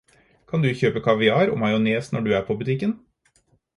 Kan du kjøpe kaviar og majones når du er på butikken?